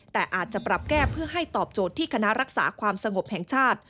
แต่อาจจะปรับแก้เพื่อให้ตอบโจทย์ที่คณะรักษาความสงบแห่งชาติ